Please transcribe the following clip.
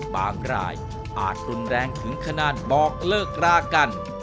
หลายอาจรุนแรงถึงขนาดบอกเลิกรากัน